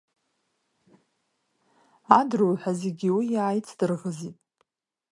Адруҳәа зегь уи иааицдырӷзит.